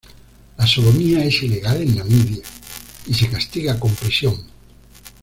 La sodomía es ilegal en Namibia, y se castiga con prisión.